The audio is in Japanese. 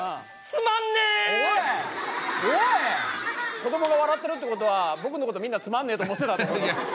子どもが笑ってるってことは僕のことみんなつまんねえと思ってたってこと。